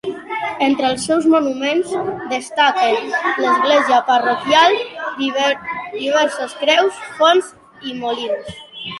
Entre els seus monuments destaquen l'església parroquial, diverses creus, fonts i molins.